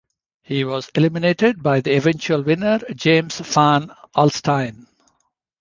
He was eliminated by the eventual winner, James Van Alstyne.